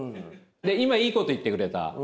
今いいこと言ってくれた。